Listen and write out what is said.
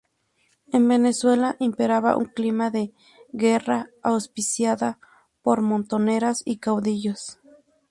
En Venezuela imperaba un clima de guerra auspiciada por montoneras y caudillos.